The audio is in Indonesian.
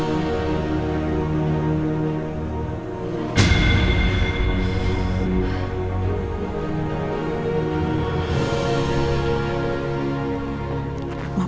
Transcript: maaf ya pak